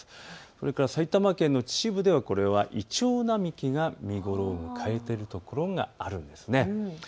それから埼玉県の秩父ではイチョウ並木が見頃を迎えているところがあるんです。